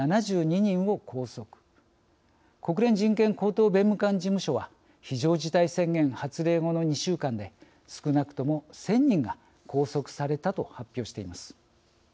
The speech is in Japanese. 国連人権高等弁務官事務所は非常事態宣言発令後の２週間で少なくとも１，０００人が拘束されたと発表しています。